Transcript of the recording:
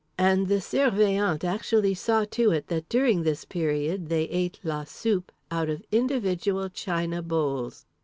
And the Surveillant actually saw to it that during this period they ate la soupe out of individual china bowls.